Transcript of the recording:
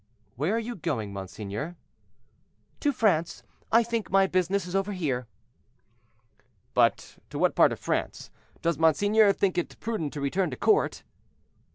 "Where are you going, monseigneur?" "To France. I think my business is over here." "But to what part of France. Does monseigneur think it prudent to return to court?"